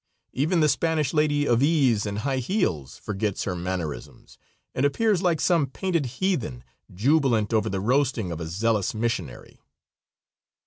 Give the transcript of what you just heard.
Even the Spanish lady of ease and high heels forgets her mannerisms and appears like some painted heathen jubilant over the roasting of a zealous missionary.